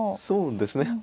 そうですね